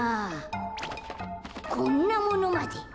こんなものまで。